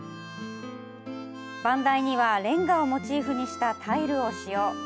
番台には、レンガをモチーフにしたタイルを使用。